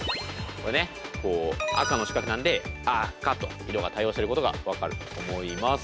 これね赤の四角なんで「あか」と色が対応してることが分かると思います。